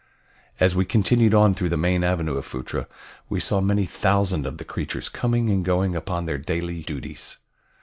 As we continued on through the main avenue of Phutra we saw many thousand of the creatures coming and going upon their daily duties.